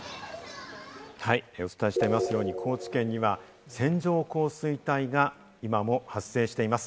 お伝えしていますように、高知県には線状降水帯が今も発生しています。